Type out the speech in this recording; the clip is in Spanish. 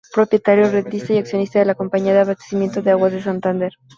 Propietario rentista y accionista de la Compañía de Abastecimiento de Aguas de Santander.